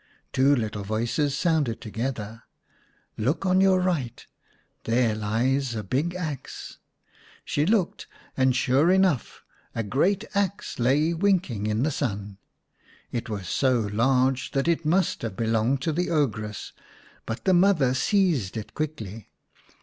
Two little voices sounded together. " Look on your right : there lies a big axe." She looked, and sure enough a great axe lay winking in the sun. It was so large that it must have belonged to the ogress, but the mother seized it quickly.